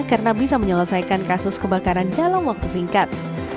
karena bisa menyelesaikan kasus kebakaran dalam waktu singkat